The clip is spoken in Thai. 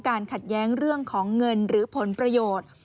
ขัดแย้งเรื่องของเงินหรือผลประโยชน์